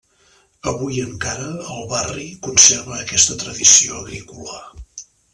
Avui encara, el barri conserva aquesta tradició agrícola.